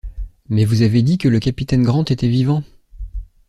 Mais vous avez dit que le capitaine Grant était vivant!